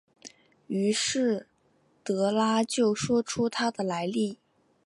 于是德拉就说出他的来历。